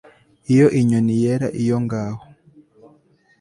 Iyo inyoni yera iyo ngaho